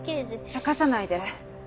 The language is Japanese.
ちゃかさないで。